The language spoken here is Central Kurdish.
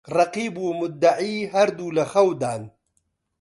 ڕەقیب و موددەعی هەردوو لە خەودان